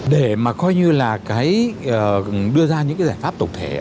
để mà coi như là cái đưa ra những cái giải pháp tổng thể